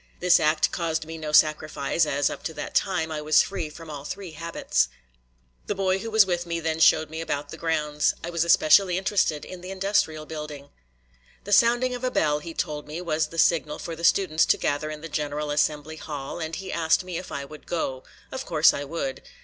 This act caused me no sacrifice, as, up to that time, I was free from all three habits. The boy who was with me then showed me about the grounds. I was especially interested in the industrial building. The sounding of a bell, he told me, was the signal for the students to gather in the general assembly hall, and he asked me if I would go. Of course I would.